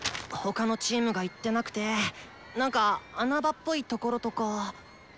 他のチームが行ってなくて何か穴場っぽいところとか。